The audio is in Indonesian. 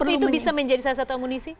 berarti itu bisa menjadi salah satu amunisi